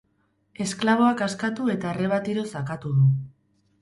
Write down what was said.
Esklaboak askatu eta arreba tiroz akatu du.